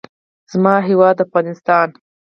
زما هېواد افغانستان.